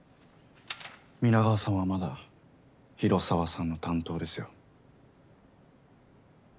皆川さんはまだ広沢さんの担当ですよ。